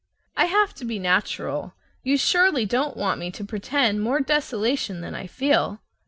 I have to be natural. You surely don't want me to pretend more desolation than I feel.